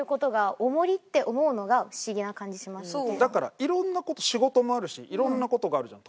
だからいろんな事仕事もあるしいろんな事があるじゃん。